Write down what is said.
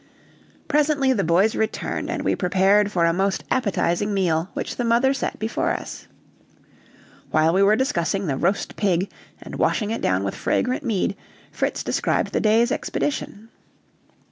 Presently the boys returned, and we prepared for a most appetizing meal which the mother set before us. While we were discussing the roast pig, and washing it down with fragrant mead, Fritz described the day's expedition.